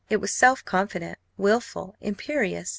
It was self confident, wilful, imperious.